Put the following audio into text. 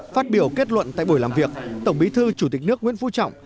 phát biểu kết luận tại buổi làm việc tổng bí thư chủ tịch nước nguyễn phú trọng